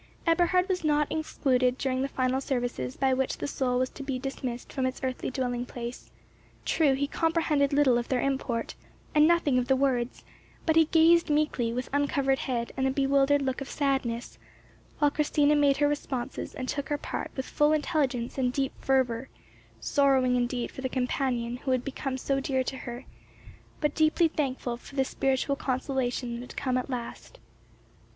Eberhard was not excluded during the final services by which the soul was to be dismissed from its earthly dwelling place. True, he comprehended little of their import, and nothing of the words, but he gazed meekly, with uncovered head, and a bewildered look of sadness, while Christina made her responses and took her part with full intelligence and deep fervour, sorrowing indeed for the companion who had become so dear to her, but deeply thankful for the spiritual consolation that had come at last.